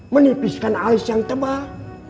menipiskan alis yang tebal